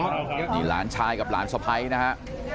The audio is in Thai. นี่หลานชายกับหลานสะพ้ายนะฮะ